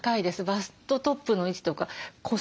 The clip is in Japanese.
バストトップの位置とか腰の位置。